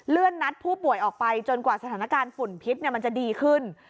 นัดผู้ป่วยออกไปจนกว่าสถานการณ์ฝุ่นพิษมันจะดีขึ้น